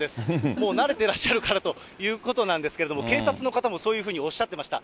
もう慣れてらっしゃるからということなんですけれども、警察の方もそういうふうにおっしゃってました。